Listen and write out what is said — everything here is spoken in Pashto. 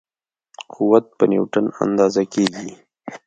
قوت په نیوټن اندازه کېږي.